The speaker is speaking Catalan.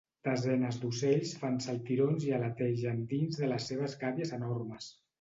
Desenes d'ocells fan saltirons i aletegen dins de les seves gàbies enormes.